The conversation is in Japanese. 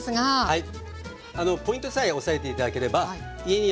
はい。